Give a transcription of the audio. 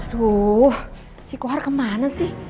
aduh si kohar kemana sih